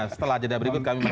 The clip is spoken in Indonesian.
setelah jeda berikut kami bahas